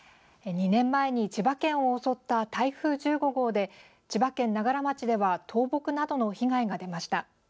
２年前に千葉県を襲った台風１５号で千葉県長柄町では倒木などの被害が出ました。